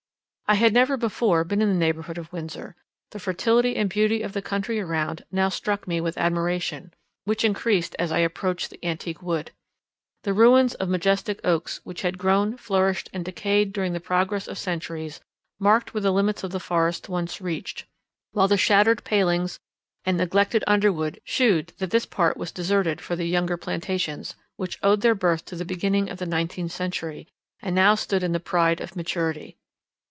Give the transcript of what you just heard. I had never before been in the neighbourhood of Windsor; the fertility and beauty of the country around now struck me with admiration, which encreased as I approached the antique wood. The ruins of majestic oaks which had grown, flourished, and decayed during the progress of centuries, marked where the limits of the forest once reached, while the shattered palings and neglected underwood shewed that this part was deserted for the younger plantations, which owed their birth to the beginning of the nineteenth century, and now stood in the pride of maturity.